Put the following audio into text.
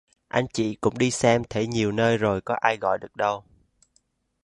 Anh chị cũng đi xem thể nhiều nơi rồi có ai gọi được đâu